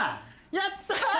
やったー！